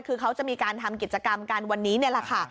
คือเขาจะมีการทำกิจกรรมกันวันนี้นี่แหละค่ะ